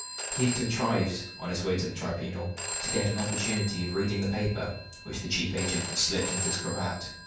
He had contrived, on his way to the tribunal, to get an opportunity of reading the paper which the chief agent had slipped into his cravat.